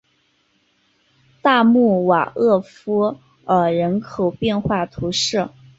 大穆瓦厄夫尔人口变化图示